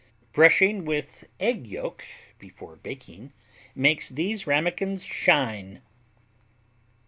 Brushing with egg yolk before baking makes these Ramekins shine.